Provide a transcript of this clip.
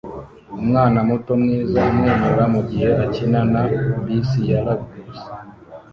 Umwana muto mwiza amwenyura mugihe akina na bisi ya Legos